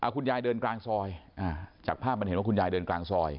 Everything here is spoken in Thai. คุณยายเดินกลางซอยจากภาพมันเห็นว่าคุณยายเดินกลางซอย